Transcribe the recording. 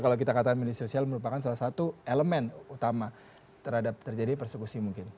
kalau kita katakan media sosial merupakan salah satu elemen utama terhadap terjadi persekusi mungkin